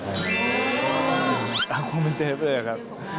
เอ้าคงเป็นเซ็ปป์เลยค่ะ